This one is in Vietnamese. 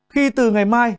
khi từ ngày mai